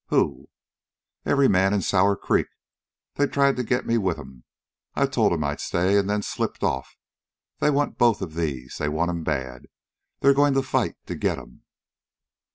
"Who?" "Every man in Sour Creek. They tried to get me with 'em. I told 'em I'd stay and then slipped off. They want both of these. They want 'em bad. They're going to fight to get 'em!"